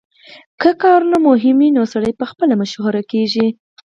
که کارونه مهم وي نو سړی پخپله مشهور کیږي